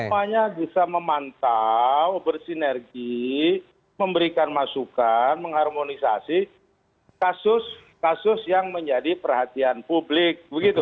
semuanya bisa memantau bersinergi memberikan masukan mengharmonisasi kasus kasus yang menjadi perhatian publik